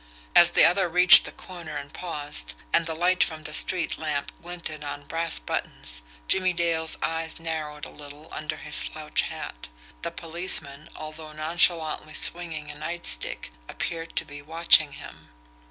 As the other reached the corner and paused, and the light from the street lamp glinted on brass buttons, Jimmie Dale's eyes narrowed a little under his slouch hat. The policeman, although nonchalantly swinging a nightstick, appeared to be watching him.